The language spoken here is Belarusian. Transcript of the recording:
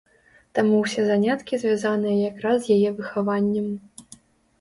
Таму ўсе заняткі звязаныя якраз з яе выхаваннем.